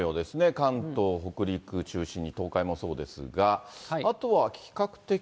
関東、北陸中心に東海もそうですが。